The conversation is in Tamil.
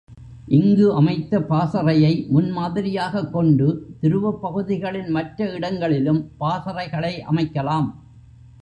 இங்கு அமைத்த பாசறையை முன் மாதிரியாகக் கொண்டு துருவப் பகுதிகளின் மற்ற இடங்களிலும் பாசறைகளை அமைக்கலாம்.